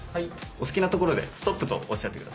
お好きなところで「ストップ」とおっしゃって下さい。